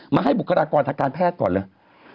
ให้บุคลากรทางการแพทย์ก่อนเลย